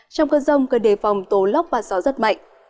trong cơn rông cơn đề phòng tố lóc và gió rất mạnh